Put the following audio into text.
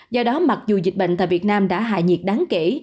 do đó mặc dù dịch bệnh tại việt nam đã hạ nhiệt đáng kể